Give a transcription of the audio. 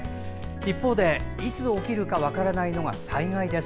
一方で、いつ起きるか分からないのが災害です。